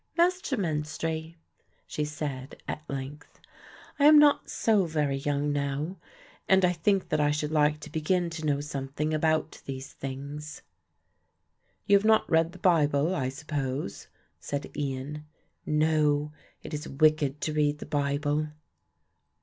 "Master Menstrie," she said at length, "I am not so very young now and I think that I should like to begin to know something about these things." "You have not read the Bible, I suppose," said Ian. "No, it is wicked to read the Bible."